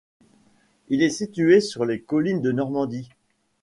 Il est situé sur les collines de Normandie.